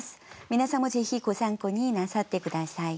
皆さんもぜひご参考になさって下さい。